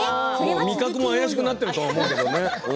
味覚も怪しくなってると思うけど。